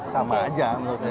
sama aja menurut saya